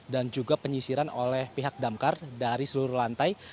dan juga penyisiran oleh pihak damkar dari seluruh lantai